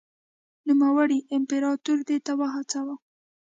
نوموړي امپراتور دې ته وهڅاوه.